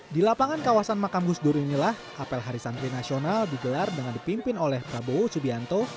di lapangan kawasan makam gus dur inilah apel hari santri nasional digelar dengan dipimpin oleh prabowo subianto